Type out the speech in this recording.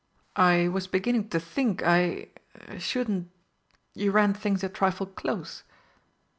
"I was beginning to think I er shouldn't you ran things a trifle close."